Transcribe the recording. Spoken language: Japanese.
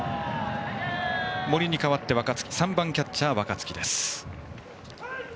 森に代わって３番キャッチャー、若月です。